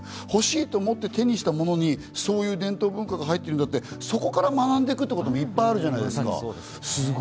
欲しいと思って手にしたものに、そういう伝統文化が入っているんだって、そこから学んでいくっていうこともあるんじゃないですか？